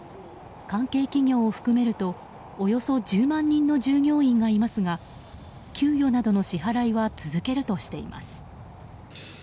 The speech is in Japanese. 関係企業を含めると、およそ１０万人の従業員がいますが給与などの支払いは続けるとしています。